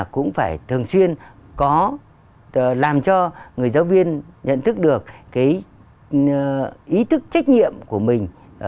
cũng phải thường xuyên làm cho người giáo viên nhận thức được ý thức trách nhiệm của mình